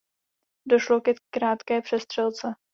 Došlo ke krátké přestřelce.